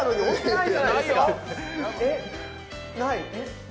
ない。